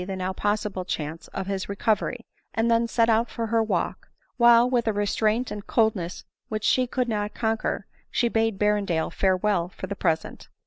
the now possible chance of his recovery, and then set out for her walk ; while, with a restraint and coldness which she could not conquer, she bade Berrendale farewell for the present.